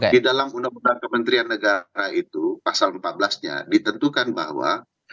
di dalam undang undang kementerian negara itu pasal empat belas nya ditentukan bahwa